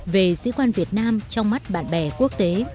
của các sĩ quan việt nam trong mắt bạn bè quốc tế